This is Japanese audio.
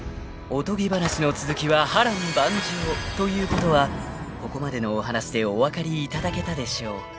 ［おとぎ話の続きは波瀾万丈ということはここまでのお話でお分かりいただけたでしょう］